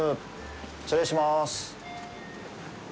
失礼します。